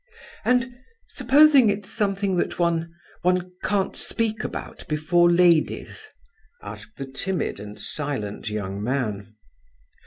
"And supposing it's something that one—one can't speak about before ladies?" asked the timid and silent young man.